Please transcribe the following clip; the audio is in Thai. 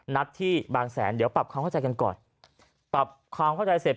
นัดที่บางแสนเดี๋ยวปรับความเข้าใจกันก่อนปรับความเข้าใจเสร็จ